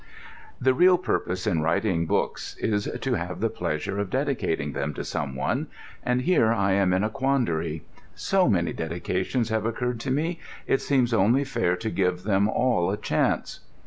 The real purpose in writing books is to have the pleasure of dedicating them to someone, and here I am in a quandary. So many dedications have occurred to me, it seems only fair to give them all a chance.